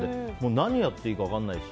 何やっていいいのか分からないし。